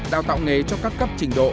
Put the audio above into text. đào tạo nghề cho các cấp trình độ